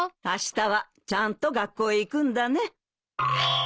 あしたはちゃんと学校へ行くんだね。